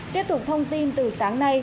tiếp tục thông tin từ sáng nay